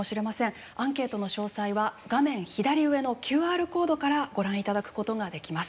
アンケートの詳細は画面左上のＱＲコードからご覧いただくことができます。